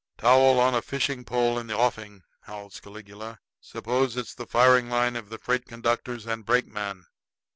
"Towel on a fishing pole in the offing!" howls Caligula. "Suppose it's the firing line of the freight conductors and brakeman."